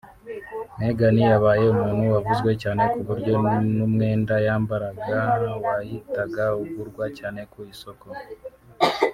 Meghan yabaye umuntu wavuzwe cyane ku buryo n’umwenda yambaraga wahitaga ugurwa cyane ku isoko